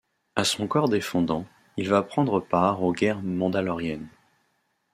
À son corps défendant, il va prendre part aux Guerres mandaloriennes.